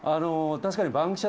確かにバンキシャ！